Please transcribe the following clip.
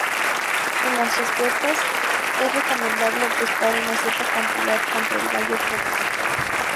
En las apuestas es recomendable apostar una cierta cantidad contra el gallo propio.